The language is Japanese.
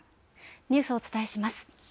ニュースお伝えします。